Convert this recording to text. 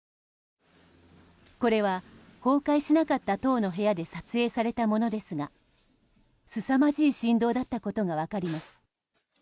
これは崩壊しなかった棟の部屋で撮影されたものですがすさまじい振動だったことが分かります。